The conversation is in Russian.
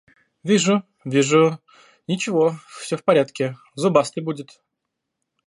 Вижу, вижу... Ничего, все в порядке: зубастый будет.